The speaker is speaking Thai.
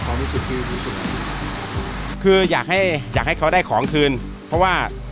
ความรู้สึกที่รู้สึกคืออยากให้อยากให้เขาได้ของคืนเพราะว่า